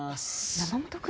山本君？